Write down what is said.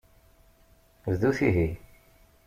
Bdut ihi.